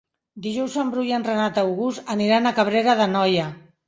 Dijous en Bru i en Renat August aniran a Cabrera d'Anoia.